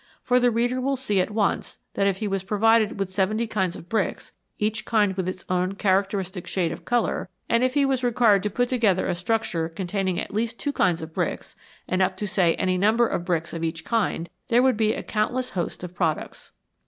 For the reader will see at once that if he was provided with seventy kinds of bricks, each kind with its own characteristic shade of colour, and if he was required to put together a structure containing at least two kinds of bricks, and up to any number of bricks of each kind, there would be a countless host of products.